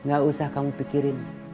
gak usah kamu pikirin